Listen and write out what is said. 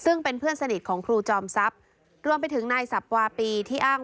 ซึ่งเป็นเพื่อนสนิทของครูจอมทรัพย์รวมไปถึงนายสับวาปีที่อ้าง